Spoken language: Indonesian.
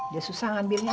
dia susah ngambilnya